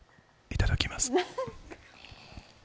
いただきます。